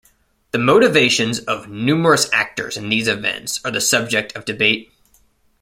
The motivations of numerous actors in these events are the subject of debate.